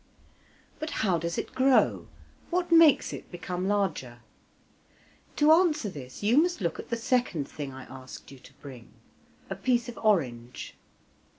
But how does it grow? What makes it become larger? To answer this you must look at the second thing I asked you to bring a piece of orange.